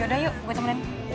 yaudah yuk gue temenin